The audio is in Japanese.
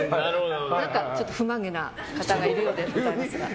何かちょっと不満げな方がいるようですが。